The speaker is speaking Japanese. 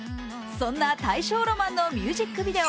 そんな「大正浪漫」のミュージックビデオ